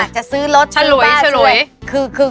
จะซื้อรถซื้อบ้านซื้อ